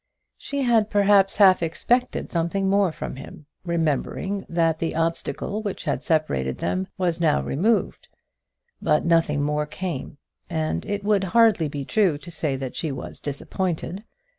She had, perhaps, half expected something more from him, remembering that the obstacle which had separated them was now removed. But nothing more came, and it would hardly be true to say that she was disappointed.